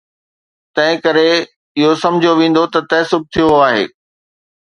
تنهنڪري اهو سمجهيو ويندو ته تعصب ٿيو آهي.